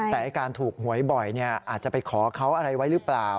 แต่การถูกหวยบ่อยอาจจะไปขอเขาอะไรไว้หรือเปล่า